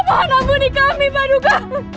paduka mohon ampuni kami paduka